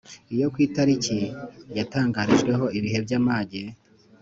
Iyo ku itariki yatangarijweho ibihe by’amage